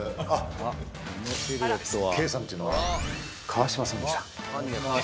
Ｋさんというのは川島さんでした。